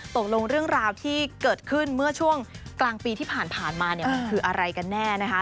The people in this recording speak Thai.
ตกลงเรื่องราวที่เกิดขึ้นเมื่อช่วงกลางปีที่ผ่านมาเนี่ยมันคืออะไรกันแน่นะคะ